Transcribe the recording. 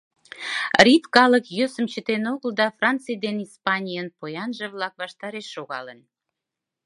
Риф калык йӧсым чытен огыл да Франций ден Испанийын поянже-влак ваштареш шогалын.